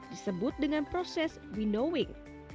disebut dengan proses winnowing